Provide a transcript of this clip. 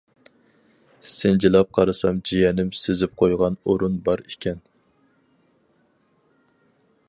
سىنچىلاپ قارىسا جىيەنىم سىزىپ قويغان ئۇرۇن بار ئىكەن.